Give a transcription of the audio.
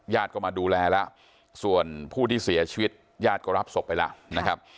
ก็มาดูแลแล้วส่วนผู้ที่เสียชีวิตญาติก็รับศพไปแล้วนะครับ